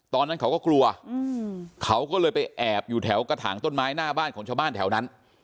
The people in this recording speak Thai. ตอนนั้นเขาก็กลัวเขาก็เลยไปแอบอยู่แถวกระถางต้นไม้หน้าบ้านของชาวบ้านแถวนั้น